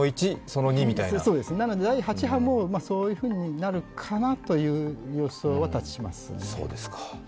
なので、第８波もそういうふうになるかなという予想は立ちますね。